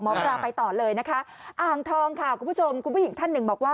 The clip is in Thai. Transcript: หมอปลาไปต่อเลยนะคะอ่างทองค่ะคุณผู้ชมคุณผู้หญิงท่านหนึ่งบอกว่า